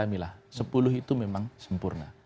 sepuluh itu memang sempurna